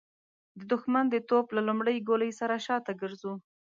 د د ښمن د توپ له لومړۍ ګولۍ سره شاته ګرځو.